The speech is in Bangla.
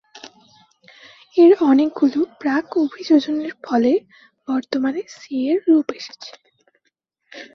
এর অনেকগুলো প্রাক-অভিযোজনের ফলে বর্তমান সি এর রূপ এসেছে।